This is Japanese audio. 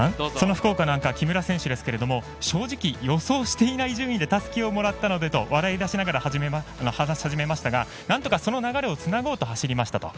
福岡のアンカー木村選手ですけど正直予想していない順位でたすきをもらったのでと笑い出しながら話し始めましたがなんとか、その流れをつなごうと走りました。